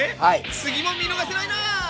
次も見逃せないな！